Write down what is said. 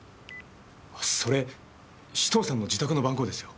それ紫藤さんの自宅の番号ですよ。